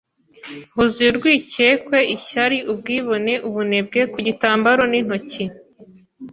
Huzuye urwikekwe ishyari ubwibone ubunebwe ku gitambaro n'intoki